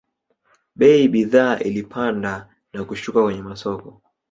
bei bidhaa ilipanda na kushuka kwenye masoko